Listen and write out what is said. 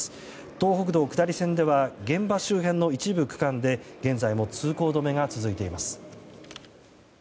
東北道下り線では現場周辺の一部区間で現在も通行止めが続いています。